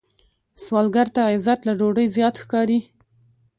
سوالګر ته عزت له ډوډۍ زیات ښکاري